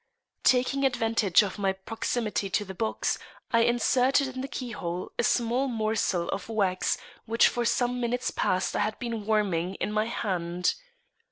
Taking advantage of my proximity to the box, I inserted in the keyhole a small morsel of wax which for some minutes past I had been warming in my hand.